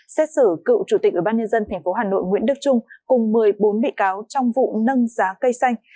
xét xử cựu chủ tịch ủy ban nhân dân tp hà nội nguyễn đức trung cùng một mươi bốn bị cáo trong vụ nâng giá cây xanh